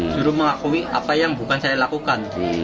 juru mengakui apa yang bukan saya lakukan